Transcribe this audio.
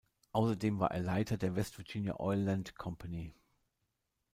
Außerdem war er Leiter der "West Virginia Oil Land Company".